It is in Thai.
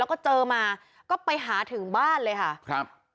แล้วก็เจอมาก็ไปหาถึงบ้านเลยค่ะครับ